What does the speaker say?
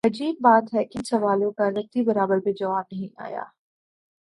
عجیب بات ہے کہ ان سوالوں کا رتی برابر بھی جواب نہیںآیا۔